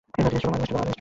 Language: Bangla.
তিনি স্ট্রোকে মারা যান।